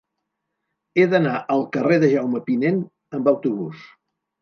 He d'anar al carrer de Jaume Pinent amb autobús.